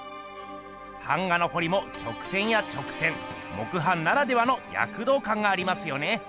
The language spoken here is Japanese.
版画のほりもきょく線や直線木版ならではのやくどうかんがありますよね。